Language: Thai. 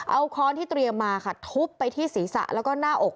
เอาค้อนที่เตรียมมาค่ะทุบไปที่ศีรษะแล้วก็หน้าอก